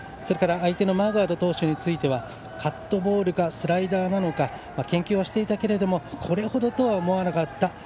相手のマーガード投手についてはカットボールかスライダーなのか研究はしていたけれどもこれほどとは思わなかった。